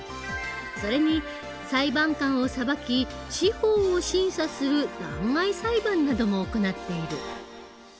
それに裁判官を裁き司法を審査する弾劾裁判なども行っている。